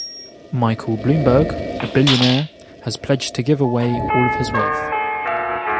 Michael Bloomberg, a billionaire, has pledged to give away all of his wealth.